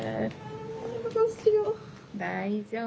大丈夫。